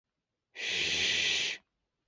田中芳树。